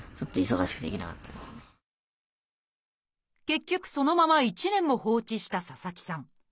結局そのまま１年も放置した佐々木さん。